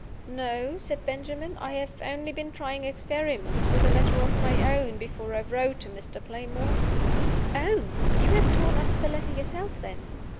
"No," said Benjamin. "I have only been trying experiments with a letter of my own, before I wrote to Mr. Playmore." "Oh, you have torn up the letter yourself, then?"